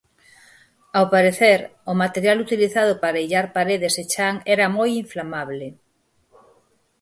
Ao parecer, o material utilizado para illar paredes e chan era moi inflamable.